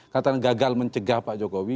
katanya gagal mencegah pak jokowi